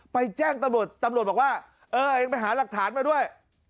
แจ้งตำรวจตำรวจบอกว่าเออเองไปหาหลักฐานมาด้วย